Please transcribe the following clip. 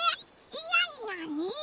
なになに？